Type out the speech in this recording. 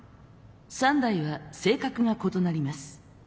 ３台は性格が異なります。